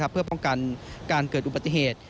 เพื่อป้องกันการเกิดอุบัติเหตุ